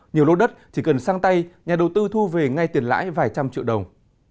nhiều lô đất chỉ cần sang tay nhà đầu tư thu về ngay tiền lãi vài trăm triệu đồng